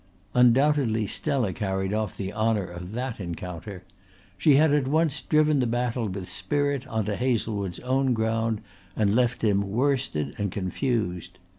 Undoubtedly Stella carried off the honour of that encounter. She had at once driven the battle with spirit onto Hazlewood's own ground and left him worsted and confused.